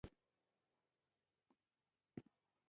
ښارونه د افغانانو د فرهنګي پیژندنې برخه ده.